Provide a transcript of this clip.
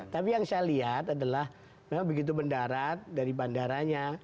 tapi yang saya lihat adalah memang begitu mendarat dari bandaranya